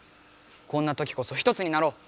こんなときこそ一つになろう！